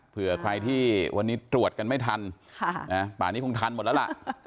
เผื่อใครที่วันนี้ตรวจกันไม่ทันป่านี้คงทันหมดแล้วล่ะ